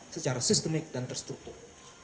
secara sistemik dan terstruktur